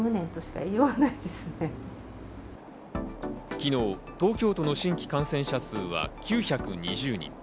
昨日、東京都の新規感染者数は９２０人。